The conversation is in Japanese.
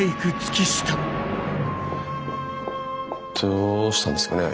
どうしたんですかね？